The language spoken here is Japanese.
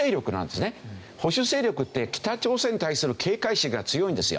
保守勢力って北朝鮮に対する警戒心が強いんですよ。